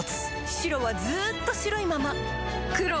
黒はずっと黒いまま